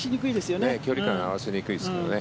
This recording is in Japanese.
距離感合わせにくいですよね。